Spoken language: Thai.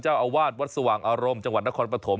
เจ้าอาวาสวัดสว่างอารมณ์จังหวัดนครปฐม